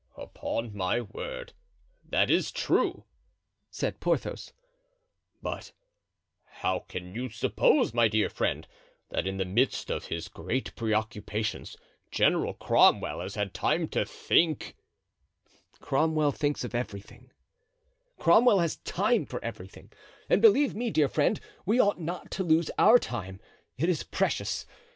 "Upon my word that is true," said Porthos; "but how can you suppose, my dear friend, that in the midst of his great preoccupations General Cromwell has had time to think——" "Cromwell thinks of everything; Cromwell has time for everything; and believe me, dear friend, we ought not to lose our time—it is precious.